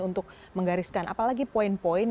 untuk menggariskan apalagi poin poin